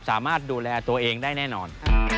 สามารถดูแลตัวเองได้แน่นอน